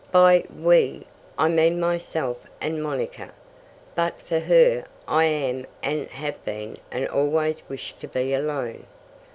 "By 'we' I mean myself and Monica. But for her, I am and have been and always wish to be alone."